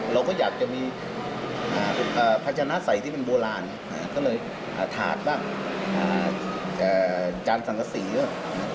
เราก็อยากจะมีพัชนะสัยที่เป็นโบราณก็เลยถาดบ้างจานสังกษีบ้าง